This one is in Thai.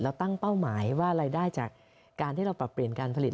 ตั้งเป้าหมายว่ารายได้จากการที่เราปรับเปลี่ยนการผลิต